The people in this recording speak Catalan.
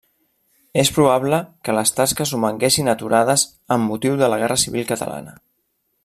És probable que les tasques romanguessin aturades amb motiu de la guerra civil catalana.